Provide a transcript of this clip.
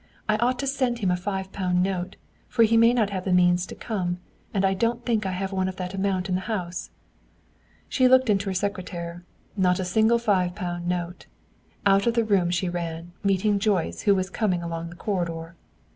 "I ought to send him a five pound note, for he may not have the means to come; and I don't think I have one of that amount in the house." She looked in her secretaire. Not a single five pound note. Out of the room she ran, meeting Joyce, who was coming along the corridor.